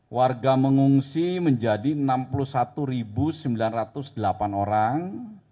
warga mengungsi menjadi enam puluh satu sembilan ratus delapan orang